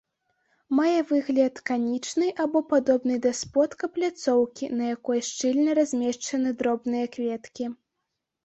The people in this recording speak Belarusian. Мае выгляд канічнай або падобнай да сподка пляцоўкі, на якой шчыльна размешчаны дробныя кветкі.